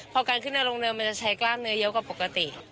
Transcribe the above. พอการขึ้นในโรงเรือมันจะใช้กล้ามเนื้อเยอะกว่าปกติ